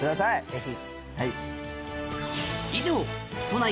ぜひ。